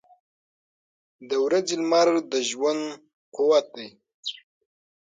• د ورځې لمر د ژوند قوت دی.